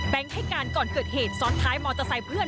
ให้การก่อนเกิดเหตุซ้อนท้ายมอเตอร์ไซค์เพื่อน